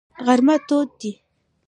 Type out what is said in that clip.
غرمه تود دی.